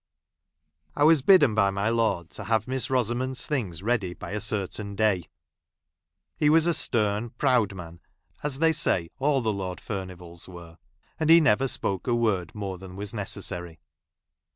I was bidden by my lord to have Miss Rosamond's things i eady by a certain day. He was a stern, proud man, as they say all the Lord Furnivalls were ; and he never spoke a word more than was necessaiy.